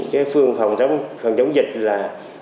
cái phương phòng chống dịch là